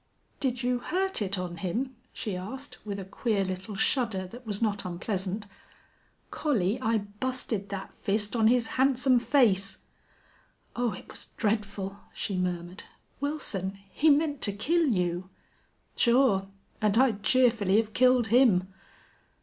"Did you hurt it on him?" she asked, with a queer little shudder that was not unpleasant. "Collie, I busted that fist on his handsome face." "Oh, it was dreadful!" she murmured. "Wilson, he meant to kill you." "Sure. And I'd cheerfully have killed him."